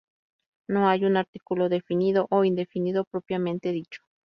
No hay un artículo definido o indefinido propiamente dicho.